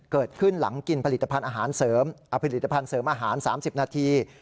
เกิดขึ้นหลังกินผลิตภัณฑ์เสริมอาหาร๓๐นาที